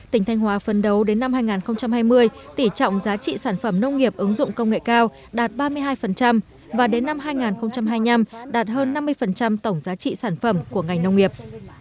tỉnh thanh hóa phấn đấu đến năm hai nghìn hai mươi tỉ trọng giá trị sản phẩm nông nghiệp ứng dụng công nghệ cao đạt ba mươi hai và đến năm hai nghìn hai mươi năm đạt hơn năm mươi tổng giá trị sản phẩm của ngành nông nghiệp